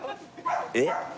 えっ？